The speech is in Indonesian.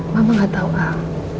mama gak tau al